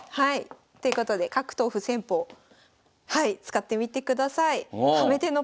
ということで角頭歩戦法はい使ってみてください。